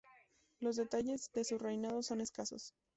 Los detalles de su reinado son escasos.